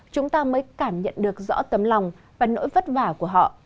chúng ta mới cảm nhận được rõ tấm lòng và nỗi vất vả của họ